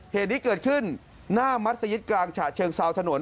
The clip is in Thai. เหตุนี้เกิดขึ้นหน้ามัศยิตกลางฉะเชิงเซาถนน